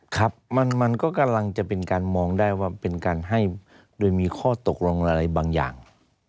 ครับมันก็กำลังจะเป็นการมองได้ว่าเป็นการให้โดยมีข้อตกลงอะไรบางอย่าง